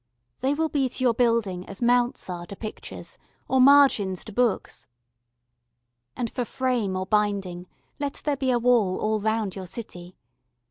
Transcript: They will be to your building as mounts are to pictures or margins to books. And for frame or binding, let there be a wall all round your city.